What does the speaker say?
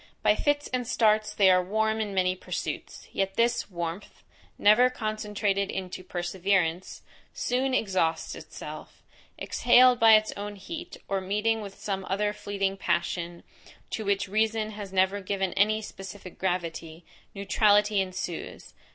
By fits and starts they are warm in many pursuits; yet this warmth, never concentrated into perseverance, soon exhausts itself; exhaled by its own heat, or meeting with some other fleeting passion, to which reason has never given any specific gravity, neutrality ensues.